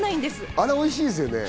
あれおいしいですよね。